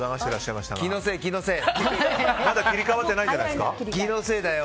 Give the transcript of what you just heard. まだ切り替わってないんじゃないんですか。